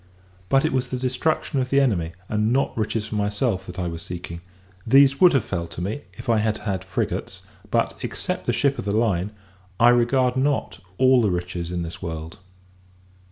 But it was the destruction of the enemy, and not riches for myself, that I was seeking: these would have fell to me, if I had had frigates; but, except the ship of the line, I regard not all the riches in this world.